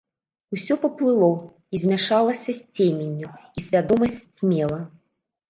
Усё паплыло і змяшалася з цеменню, і свядомасць сцьмела.